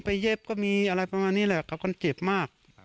เย็บก็มีอะไรประมาณนี้แหละกับคนเจ็บมาก